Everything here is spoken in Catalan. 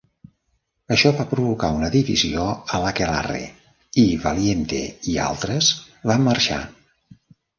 Això va provocar una divisió a l'aquelarre, i Valiente i altres van marxar.